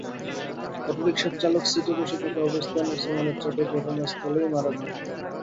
অটোরিকশার চালক সিটে বসে থাকা অবস্থায় নছিমনের চাপে ঘটনাস্থলেই মারা যান।